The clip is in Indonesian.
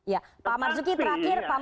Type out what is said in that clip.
ya pak marzuki terakhir pak marzuki maaf